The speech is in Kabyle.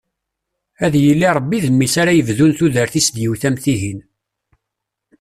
Ad yili Rebbi d mmi-s ara yebḍun tudert-is d yiwet am tihin.